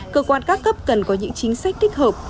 cơ quan các cấp cần có những chính sách thích hợp